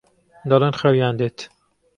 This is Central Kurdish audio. دەڵێن خەویان دێت.